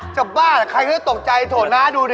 จะบ้านะใครก็ได้ตกใจเถอะโถนะดูดิ